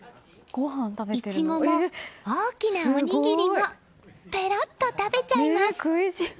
イチゴも大きなおにぎりもペロッと食べちゃいます。